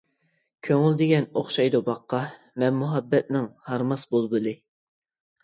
كۆڭۈل دېگەن ئوخشايدۇ باغقا، مەن مۇھەببەتنىڭ ھارماس بۇلبۇلى.